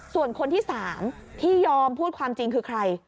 ส่วนคนที่๓ที่ยอมพูดความจริงคือใคร